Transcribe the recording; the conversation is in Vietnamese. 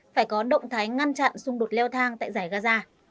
phải có động thái ngăn chặn xung đột leo thang tại giải gaza